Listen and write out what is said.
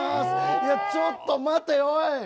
いや、ちょっと待ておい！